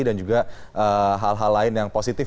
dan juga hal hal lain yang positif